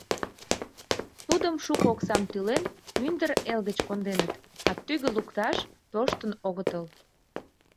Тудым, шуко оксам тӱлен, мӱндыр эл гыч конденыт, а тӱгӧ лукташ тоштын огытыл.